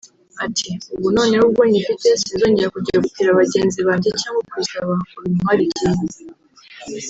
Ati “Ubu noneho ubwo nyifite sinzogera kujya gutira bagenzi banjye cyangwa kuyisaba ngo bintware igihe